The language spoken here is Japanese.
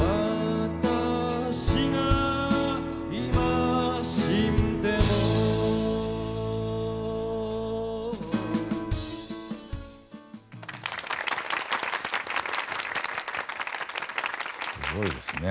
すごいですね。